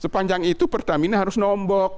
sepanjang itu pertamina harus nombok